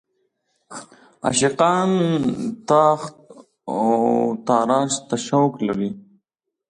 عاشقان تاخت او تاراج ته شوق لري.